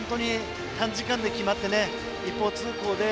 短時間で決まって一方通行で。